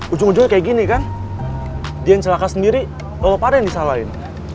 ujung ujungnya kayak gini kan dia yang celaka sendiri bapak ada yang disalahin